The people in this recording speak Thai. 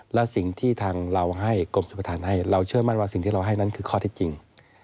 และสิ่งที่ทางเราให้กรมชมประธานให้เราเชื่อมั่นว่าสิ่งที่เราให้นั้นคือข้อเท็จจริง